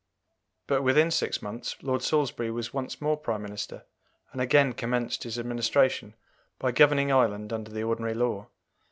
But within six months Lord Salisbury was once more Prime Minister, and again commenced his administration by governing Ireland under the ordinary law.